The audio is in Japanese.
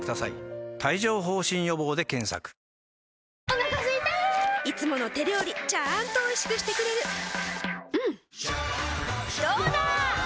お腹すいたいつもの手料理ちゃんとおいしくしてくれるジューうんどうだわ！